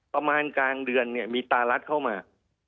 ประมาณกลางเดือนเนี่ยมีตารัสเข้ามา